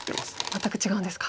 全く違うんですか。